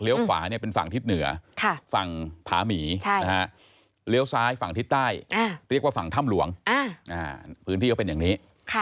ขวาเป็นฝั่งทิศเหนือฝั่งผาหมีเลี้ยวซ้ายฝั่งทิศใต้เรียกว่าฝั่งถ้ำหลวงพื้นที่ก็เป็นอย่างนี้